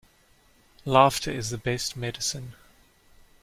Laughter is the best medicine.